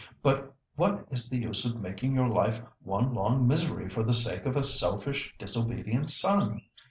But what is the use of making your life one long misery for the sake of a selfish, disobedient son?